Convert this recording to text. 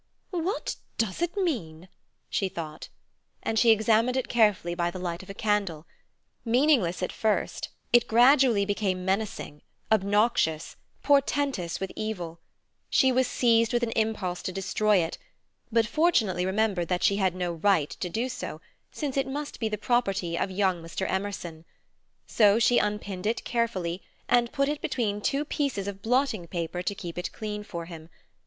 "What does it mean?" she thought, and she examined it carefully by the light of a candle. Meaningless at first, it gradually became menacing, obnoxious, portentous with evil. She was seized with an impulse to destroy it, but fortunately remembered that she had no right to do so, since it must be the property of young Mr. Emerson. So she unpinned it carefully, and put it between two pieces of blotting paper to keep it clean for him.